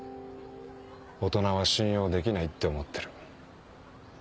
大人は信用できないって思ってる。